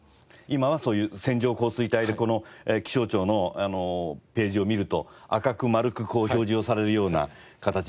今はそういう線状降水帯で気象庁のページを見ると赤く丸く表示をされるような形ですよね。